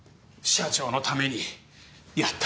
社長のためにやったのに。